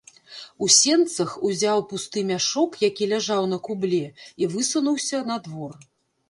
У сенцах узяў пусты мяшок, які ляжаў на кубле, і высунуўся на двор.